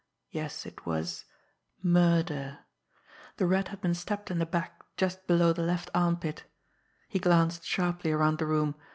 Yes, it was murder! The Rat had been stabbed in the back just below the left armpit. He glanced sharply around the room.